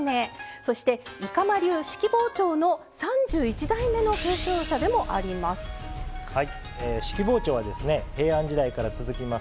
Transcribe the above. そして生間流式包丁の３１代目の継承者でもあります。